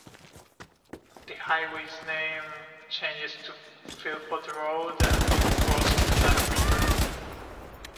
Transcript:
The highway's name changes to Philpott Road and it crosses the Dan River.